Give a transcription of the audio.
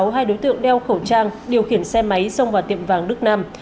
hai đối tượng đeo khẩu trang điều khiển xe máy xông vào tiệm vàng đức nam